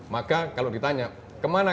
maka kalau ditanya kemana